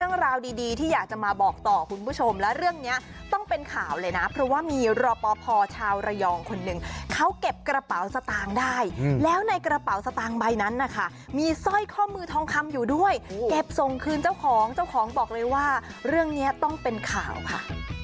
เรื่องราวดีที่อยากจะมาบอกต่อคุณผู้ชมและเรื่องนี้ต้องเป็นข่าวเลยนะเพราะว่ามีรอปภชาวระยองคนหนึ่งเขาเก็บกระเป๋าสตางค์ได้แล้วในกระเป๋าสตางค์ใบนั้นนะคะมีสร้อยข้อมือทองคำอยู่ด้วยเก็บส่งคืนเจ้าของเจ้าของบอกเลยว่าเรื่องนี้ต้องเป็นข่าวค่ะ